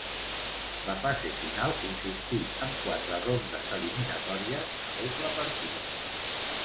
La fase final consistí en quatre rondes eliminatòries a doble partit.